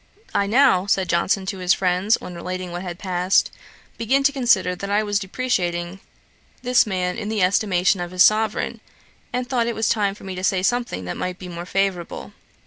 'I now, (said Johnson to his friends, when relating what had passed) began to consider that I was depreciating this man in the estimation of his Sovereign, and thought it was time for me to say something that might be more favourable.'